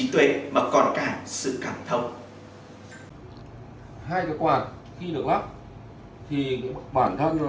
chí tuệ mà còn cả sự cảm thông